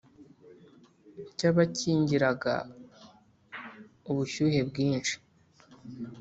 cyabakingiraga ubushyuhe bwinshi,